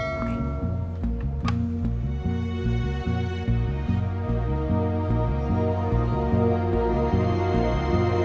mbak pasti ada yang mau tahu